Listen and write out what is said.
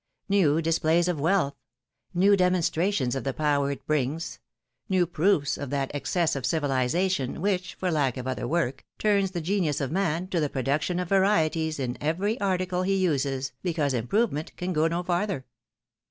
New displays of wealth — 80 THE WIDOW MARRIED. new demonstrations of the power it brings — new proofe of that excess of civilisation, which, for laclc of other work, turns the genius of man to the production of varieties in every article he uses, because improvement can go no farther.